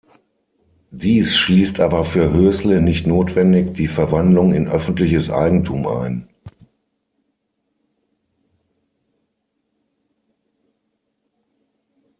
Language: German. Dies schließt aber für Hösle nicht notwendig die „Verwandlung in öffentliches Eigentum“ ein.